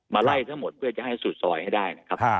มาไล่ทั้งหมดเพื่อจะให้สูดซอยให้ได้